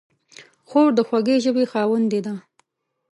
خور د خوږې ژبې خاوندې ده.